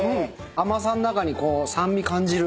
甘さの中にこう酸味感じる。